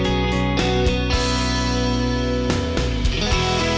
dan jika anda lain lain